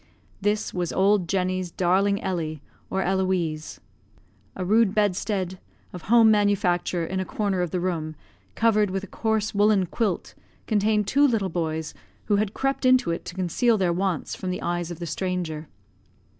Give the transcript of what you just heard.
This was old Jenny's darling, Ellie, or Eloise. A rude bedstead, of home manufacture, in a corner of the room, covered with a coarse woollen quilt, contained two little boys, who had crept into it to conceal their wants from the eyes of the stranger.